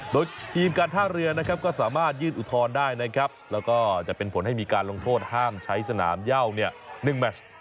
โดยทีมการท่าเรือนะครับก็สามารถยื่นอุทธรณ์ได้นะครับแล้วก็จะเป็นผลให้มีการลงโทษห้ามใช้สนามเย่า๑แมช